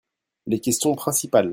Les questions principales.